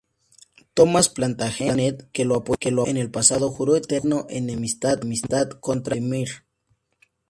Tomás Plantagenet, que lo apoyó en el pasado, juró eterna enemistad contra Mortimer.